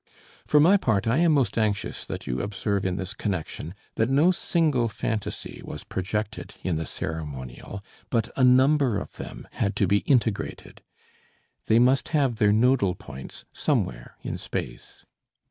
For my part I am most anxious that you observe in this connection that no single phantasy was projected in the ceremonial, but a number of them had to be integrated, they must have their nodal points somewhere in space.